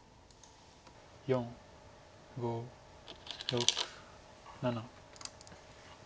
４５６７。